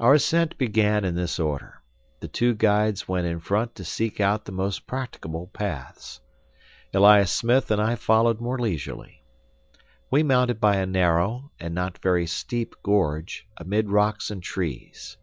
Our ascent began in this order. The two guides went in front to seek out the most practicable paths. Elias Smith and I followed more leisurely. We mounted by a narrow and not very steep gorge amid rocks and trees.